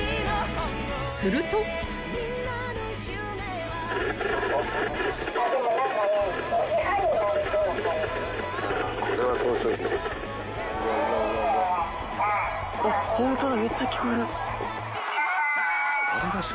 ［すると］あっホントだ。